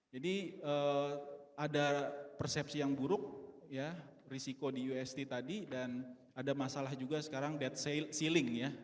jadi ada persepsi yang buruk risiko di ust tadi dan ada masalah juga sekarang debt ceiling ya